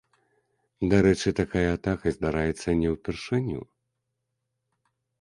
Дарэчы, такая атака здараецца не ўпершыню.